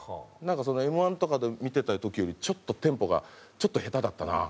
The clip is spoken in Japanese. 「Ｍ−１とかで見てた時よりちょっとテンポがちょっと下手だったな」。